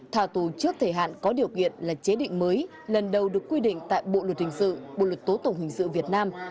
thả tù trước thời hạn có điều kiện là chế định mới lần đầu được quy định tại bộ luật hình sự bộ luật tố tụng hình sự việt nam